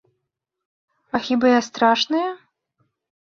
А хіба я страшная?